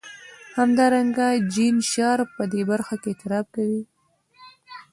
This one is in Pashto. همدارنګه جین شارپ په دې برخه کې اعتراف کوي.